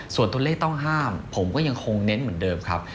ส่วนตัวเลขต้องห้ามผมก็ยังคงเน้นเหมือนเดิมครับ